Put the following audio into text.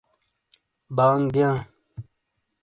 بانگ رزیاں/دِیئاں